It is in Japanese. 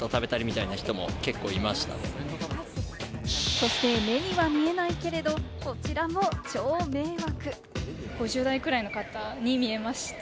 そして目には見えないけれど、こちらも超迷惑。